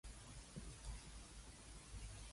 明確標示出處